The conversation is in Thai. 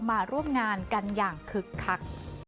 มาร่วมงานกันอย่างคึกคัก